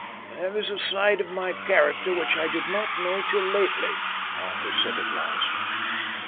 "There is a side of my character which I did not know till lately," Arthur said at last.